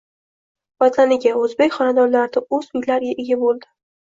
Vataniga, o‘zbek xonadonlarida o‘z uylariga ega bo‘ldi